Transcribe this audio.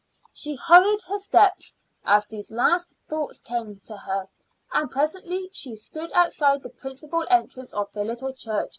She hurried her steps as these last thoughts came to her, and presently she stood outside the principal entrance of the little church.